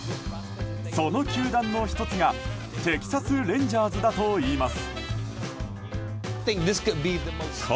その球団の１つがテキサス・レンジャーズだといいます。